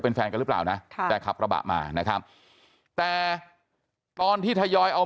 เป็นแฟนกันหรือเปล่านะแต่ขับกระบะมานะครับแต่ตอนที่ทยอยเอา